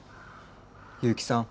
結城さん